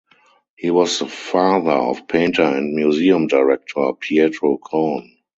He was the father of painter and museum director Pietro Krohn.